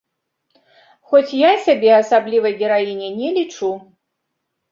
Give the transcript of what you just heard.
Хоць я сябе асаблівай гераіняй не лічу.